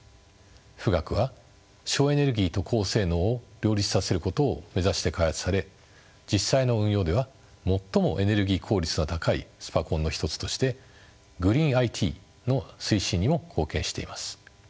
富岳は省エネルギーと高性能を両立させることを目指して開発され実際の運用では最もエネルギー効率の高いスパコンの一つとしてグリーンＩＴの推進にも貢献しています。